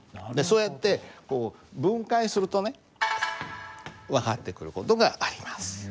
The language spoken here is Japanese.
そうやってこう分解するとね分かってくる事があります。